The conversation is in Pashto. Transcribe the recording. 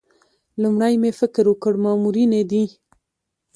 لومړی مې فکر وکړ مامورینې دي.